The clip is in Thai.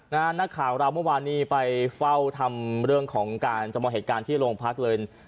นักข่าวเราเมื่อวานนี้ไปเฝ้าทำเรื่องของการจำลองเหตุการณ์ที่โรงพักเลย